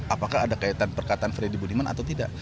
apakah ada kaitan perkataan freddy budiman atau tidak